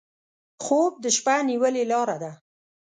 خوب د شپه نیولې لاره ده